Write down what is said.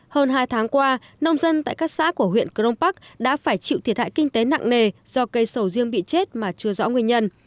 hơn hai tháng qua nông dân tại các xã của huyện crong park đã phải chịu thiệt hại kinh tế nặng nề do cây sầu riêng bị chết mà chưa rõ nguyên nhân